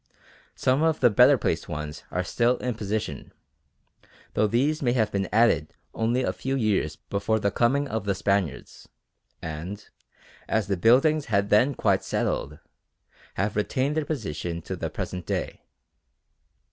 Some of the better placed ones are still in position, though these may have been added only a few years before the coming of the Spaniards, and, as the buildings had then quite "settled," have retained their position to the present day.